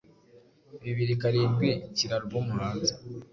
Bibiri karindwi nshyira album hanze